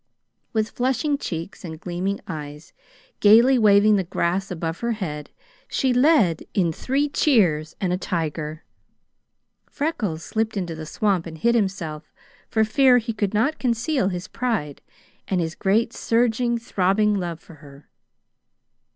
With flushing cheeks and gleaming eyes, gaily waving the grass above her head, she led in three cheers and a tiger. Freckles slipped into the swamp and hid himself, for fear he could not conceal his pride and his great surging, throbbing love for her.